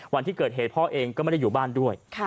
วันที่เกิดเหตุพ่อเองก็ไม่ได้อยู่บ้านด้วย